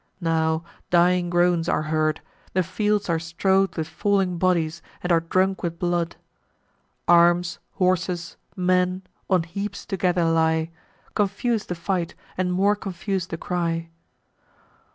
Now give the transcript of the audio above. Now dying groans are heard; the fields are strow'd With falling bodies, and are drunk with blood. Arms, horses, men, on heaps together lie: Confus'd the fight, and more confus'd the cry.